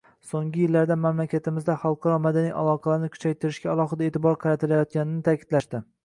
Soʻnggi yillarda mamlakatimizda xalqaro madaniy aloqalarni kuchaytirishga alohida eʼtibor qaratilayotganini taʼkidlashdi.